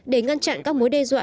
để ngăn chặn các mối đe dọa